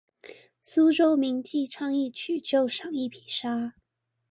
蘇州名妓唱一曲就賞一匹紗